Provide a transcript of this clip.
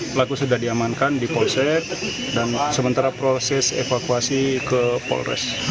pelaku sudah diamankan di polsek dan sementara proses evakuasi ke polres